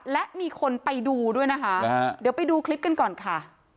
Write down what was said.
และมีคนไปดูด้วยนะคะเดี๋ยวไปดูคลิปกันก่อนค่ะ